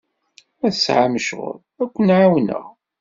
Ma tesɛam ccɣel, ad ken-ɛawneɣ.